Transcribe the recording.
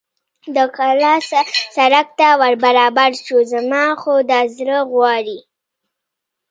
د کلا سړک ته ور برابر شو، زما خو دا زړه غواړي.